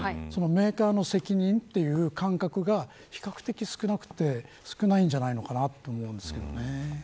メーカーの責任という感覚が比較的少ないんじゃないのかなと思うんですけどね。